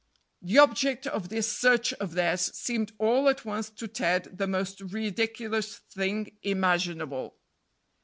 The object of this search of theirs seemed all at once to Ted the most ridiculous thing imaginable.